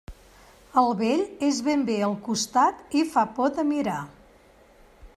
El vell és ben bé al costat i fa por de mirar.